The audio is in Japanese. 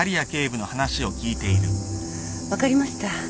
分かりました。